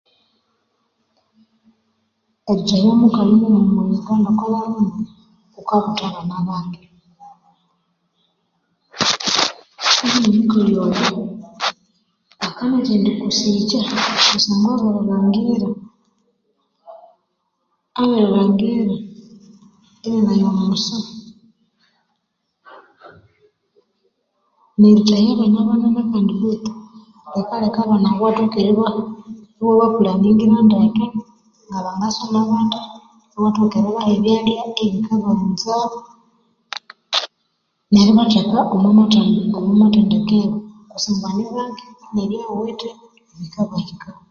Erithahya mukali mughuma omwa Uganda okwa balhume, wukabutha abana bake, kandi nomukali omughuma akanathendi kusikya kusangwa abiri lhangira ininayo musa, nerithahya abana banene kandi betu likaleka abana abo iwathoka eribapulaningira ndeke ngabangasoma bathi iwathoka eribaha ebyalya ebikabaghunza neribatheka omwa mathendekero, kusangwa ni bake nebya wuwithe bikabahika.